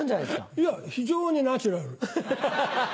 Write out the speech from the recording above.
いや非常にナチュラル。